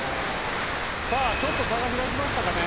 さあちょっと差が開きましたかね。